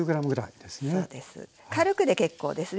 軽くで結構です。